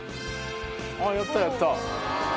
あっやったやった。